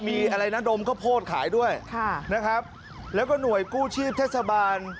มีอะไรนะดมข้าวโพดขายด้วยค่ะนะครับแล้วก็หน่วยกู้ชีพเทศบาล